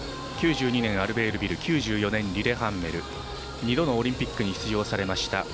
９２年アルベールビルリレハンメル２度のオリンピックに出場されました。